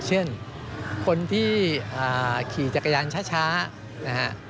เช่นคนที่ขี่จักรยานช้านะฮะ